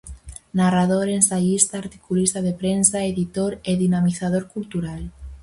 Narrador, ensaísta, articulista de prensa, editor e dinamizador cultural.